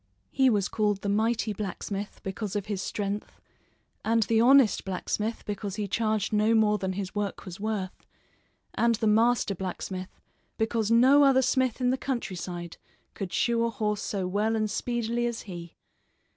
He was called the Mighty Blacksmith because of his strength, and the Honest Blacksmith because he charged no more than his work was worth, and the Master Blacksmith because no other smith in the countryside could shoe a horse so well and speedily as he.